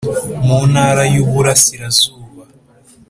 mu Ntara y Uburasirazuba